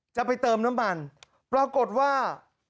จะไปเติมน้ำมันปรากฏว่า